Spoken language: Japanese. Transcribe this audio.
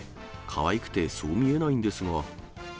かわいくてそう見えないんですが。